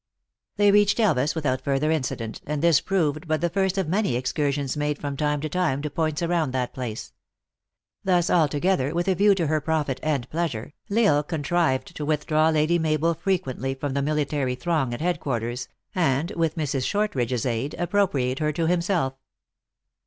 They reached Elvas without further incident, and this proved but the first of many excursions made from time to time to points around that place. Thus, altogether with a view to her profit and pleasure, THE ACTEESS IN HIGH LIFE. 107 L Isle contrived to withdraw Lady Mabel frequently from the military throng at headquarters, and, with Mrs. Shortridge s aid, appropriate her to himself.